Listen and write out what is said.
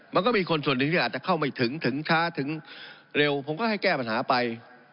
มันก็มีคนส่วนหนึ่งที่อาจจะเข้าไม่ถึงถึงช้าถึงเร็วผมก็ให้แก้ปัญหาไป